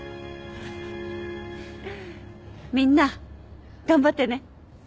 みんな頑張ってね。